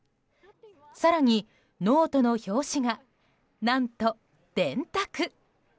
更に、ノートの表紙が何と電卓。